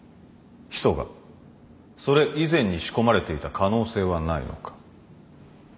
ヒ素がそれ以前に仕込まれていた可能性はないのか？